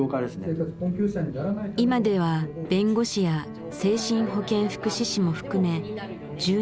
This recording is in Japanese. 今では弁護士や精神保健福祉士も含め１２団体が参加。